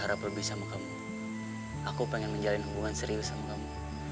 aku ingin menjalani hubungan serius dengan kamu